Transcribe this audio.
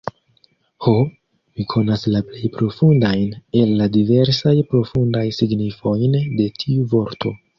Ho, mi konas la plej profundajn el la diversaj profundaj signifojn de tiu vorto!